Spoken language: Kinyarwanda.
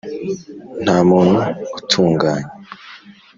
nta muntu utunganye.